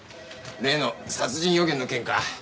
例の殺人予言の件か。